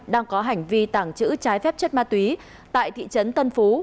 đang có hành vi tàng trữ trái phép chất ma túy tại thị trấn tân phú